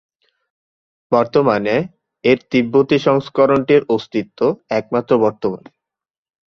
বর্তমানে এর তিব্বতী সংস্করণটির অস্তিত্ব একমাত্র বর্তমান।